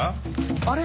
あれ？